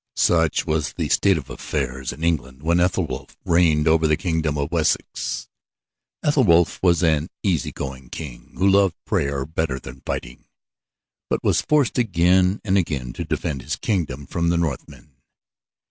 Such was the state of affairs in England when Ethelwulf reigned over the kingdom of Wessex. Ethelwulf was an easy going king who loved prayer better than fighting, but was forced again and again to defend his kingdom from the Northmen.